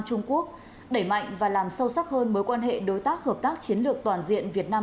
trung quốc đẩy mạnh và làm sâu sắc hơn mối quan hệ đối tác hợp tác chiến lược toàn diện việt nam